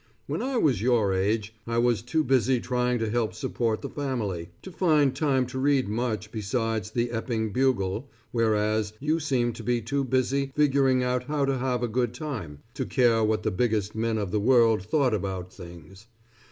When I was your age, I was too busy trying to help support the family, to find time to read much besides the Epping Bugle, whereas, you seem to be too busy figuring out how to have a good time, to care what the biggest men of the world thought about things.